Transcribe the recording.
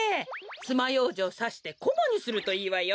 つまようじをさしてコマにするといいわよ。